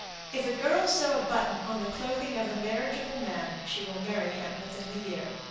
If a girl sew a button on the clothing of a marriageable man, she will marry him within the year.